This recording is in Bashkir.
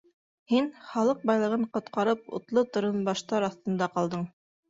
Һин, халыҡ байлығын ҡотҡарып, утлы торонбаштар аҫтында ҡалдың...